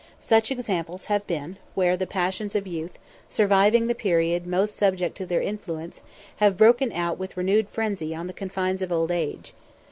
Such examples have been, where the passions of youth, surviving the period most subject to their influence, have broken out with renewed frenzy on the confines of old age.